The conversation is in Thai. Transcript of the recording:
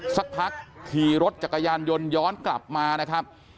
สักพักขี่รถจักรยานยนต์ย้อนกลับมานะครับ